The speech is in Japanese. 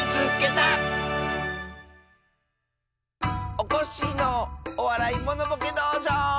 おこっしぃの「おわらいモノボケどうじょう」！